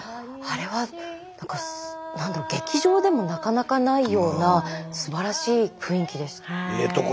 あれは何か何だろう劇場でもなかなかないようなすばらしい雰囲気です。